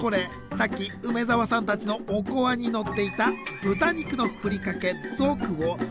さっき梅沢さんたちのおこわにのっていた豚肉のふりかけズォクをゴーヤーにもたっぷり。